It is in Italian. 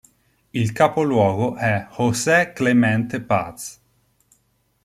Il capoluogo è José Clemente Paz.